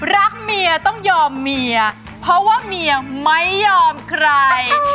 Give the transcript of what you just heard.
รักเมียต้องยอมเมียเพราะว่าเมียไม่ยอมใคร